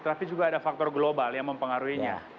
tapi juga ada faktor global yang mempengaruhinya